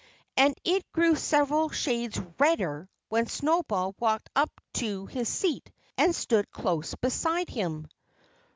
And it grew several shades redder when Snowball walked up to his seat and stood close beside him.